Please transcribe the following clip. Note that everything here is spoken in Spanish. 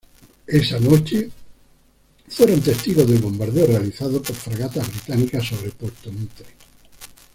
Esa noche fueron testigos del bombardeo realizado por fragatas británicas sobre Puerto Mitre.